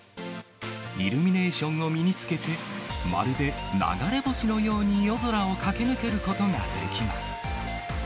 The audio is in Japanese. イルミネーションを身につけて、まるで流れ星のように夜空を駆け抜けることができます。